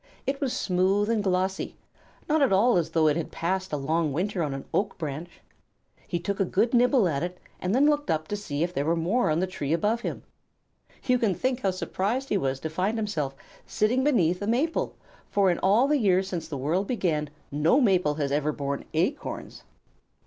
It was smooth and glossy, not at all as though it had passed a long winter on an oak branch. He took a good nibble at it and then looked up to see if there were more on the tree above him. You can think how surprised he was to find himself sitting beneath a maple, for in all the years since the world began no maple has ever borne acorns.